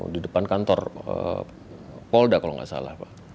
di depan kantor polda kalau nggak salah pak